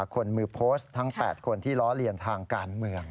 คนมือโพสต์ทั้ง๘คนที่ล้อเลียนทางการเมือง